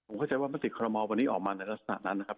ผมเข้าใจว่ามติคอรมอลวันนี้ออกมาในลักษณะนั้นนะครับ